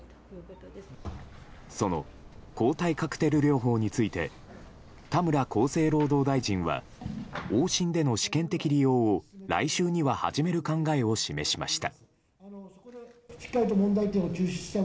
その抗体カクテル療法について田村厚生労働大臣は往診での試験的利用を来週には始める考えを示しました。